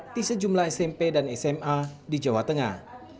di enam ratus dua puluh lima sekolah smp dan sma di jawa tengah